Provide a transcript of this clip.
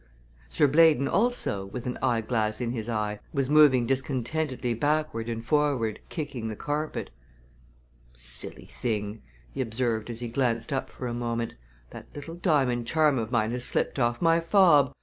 B. Sir Blaydon also, with an eyeglass in his eye, was moving discontentedly backward and forward, kicking the carpet. "Silly thing!" he observed as he glanced up for a moment. "That little diamond charm of mine has slipped off my fob.